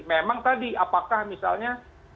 memang tadi apakah misalnya